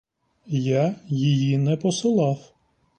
Я її не посилав.